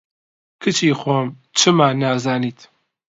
کچی خۆم، چما نازانیت